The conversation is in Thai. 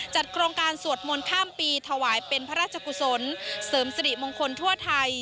โครงการสวดมนต์ข้ามปีถวายเป็นพระราชกุศลเสริมสริมงคลทั่วไทย